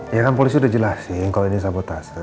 ya kan polisi udah jelasin kalau ini sabotase